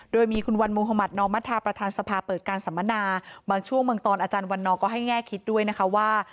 โดยมีคุณวันมุธมัธนอมธาประธานสภาเปิดการสัมมนาบางช่วงบางตอนอาจารย์วันนอร์ก็ให้แง่คิดด้วยนะคะว่า